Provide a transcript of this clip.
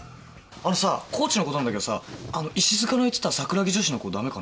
あのさコーチのことなんだけどさ石塚が言ってた桜木女子の子ダメかな。